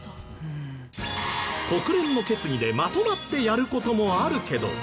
国連の決議でまとまってやる事もあるけど